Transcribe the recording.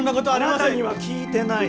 あなたには聞いてない。